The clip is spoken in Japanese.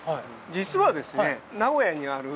実はですね